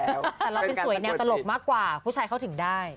แต่อย่างนี้สวยเนี่ยตลกมากกว่าผู้ชายเขาถึงได้